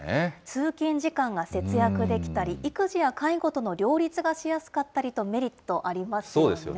通勤時間が節約できたり、育児や介護との両立がしやすかったそうですよね。